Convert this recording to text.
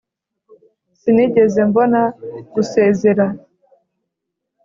sinigeze mbona gusezera